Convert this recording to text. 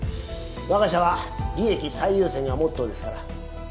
わが社は利益最優先がモットーですから。